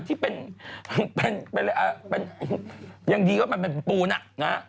ที่เป็นอย่างดีก็ว่ามันเป็นปูนะนะฮะ